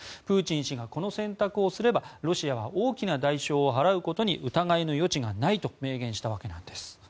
プーチン氏がこの選択をすればロシアは大きな代償を払うことに疑いの余地がないと明言したわけです。